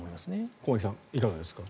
駒木さん、いかがですか。